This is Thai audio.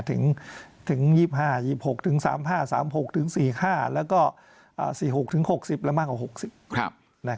๑๘ถึง๒๕๒๖ถึง๓๕๓๖ถึง๔๕แล้วก็๔๖ถึง๖๐และมากกว่า๖๐